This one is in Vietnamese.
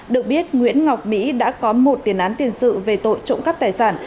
được biết nguyễn ngọc mỹ đã có một tiền án tiền sự về tội trộm cắp tài sản